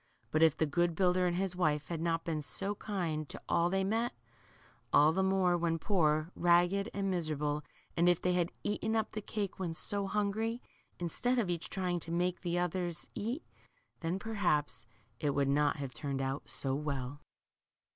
But if the good builder and his wife had not been so kind to all they met, air the more when poor, ragged, and ipiserable, and if they had eaten up the cake when so hungry, in stead of each trying to make the others eat, then, perhaps, it would not have turned out so well.